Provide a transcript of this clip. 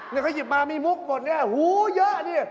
นี่เขาหยิบมามีมุกหมดเนี่ยหูเยอะนี่